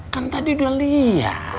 kan tadi udah liat